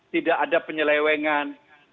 tidak ada penyelewengan